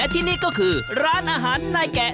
ที่นี่ก็คือร้านอาหารนายแกะ